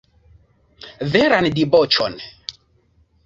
Veran diboĉon!